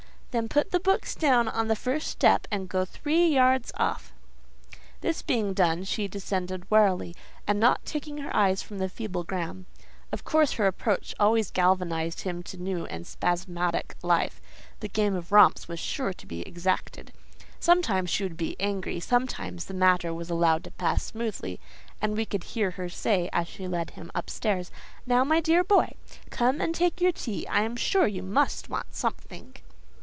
"Then put the books down on the first step, and go three yards off." This being done, she descended warily, and not taking her eyes from the feeble Graham. Of course her approach always galvanized him to new and spasmodic life: the game of romps was sure to be exacted. Sometimes she would be angry; sometimes the matter was allowed to pass smoothly, and we could hear her say as she led him up stairs: "Now, my dear boy, come and take your tea—I am sure you must want something."